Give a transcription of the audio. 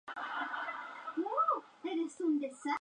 McKay fue entrenada por Madison Eagles.